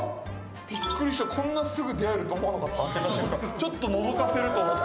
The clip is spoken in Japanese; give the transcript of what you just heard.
びっくりしたこんなすぐ出会えると思わなかった。